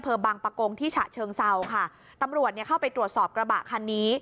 บางประกงที่ฉะเชิงเศร้าค่ะตำรวจเนี่ยเข้าไปตรวจสอบกระบะคันนี้